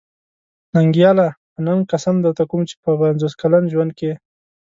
ننګياله! په ننګ قسم درته کوم چې په پنځوس کلن ژوند کې.